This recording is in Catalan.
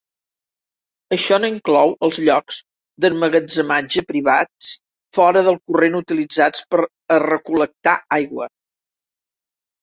Això no inclou els llocs d'emmagatzematge privats fora del corrent utilitzats per a recol·lectar aigua.